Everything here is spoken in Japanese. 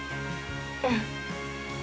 うん。